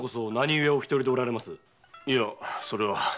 いやそれは。